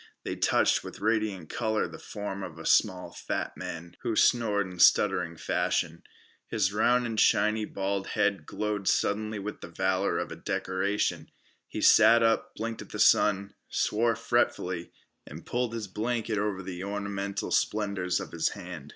They touched with radiant color the form of a small fat man, who snored in stuttering fashion. His round and shiny bald head glowed suddenly with the valor of a decoration. He sat up, blinked at the sun, swore fretfully, and pulled his blanket over the ornamental splendors of his head.